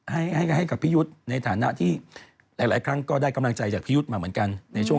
ให้กับพี่ยุทธ์ในฐานะที่หลายครั้งก็ได้กำลังใจจากพี่ยุทธ์มาเหมือนกันในช่วง